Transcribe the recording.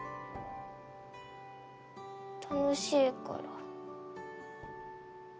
楽しいから。